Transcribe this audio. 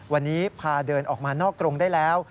วันนี้พาเดินออกมานอกกรงได้แล้ว